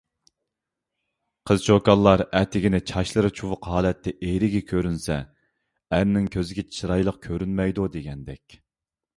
قىز-چوكانلار ئەتىگىنى چاچلىرى چۇۋۇق ھالەتتە ئېرىگە كۆرۈنسە، ئەرنىڭ كۆزىگە چىرايلىق كۆرۈنمەيدۇ، دېگەندەك.